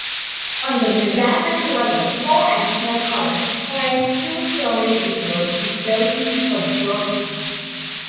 On the mezzanine level, four additional columns frame two-story windows enclosing the auditorium.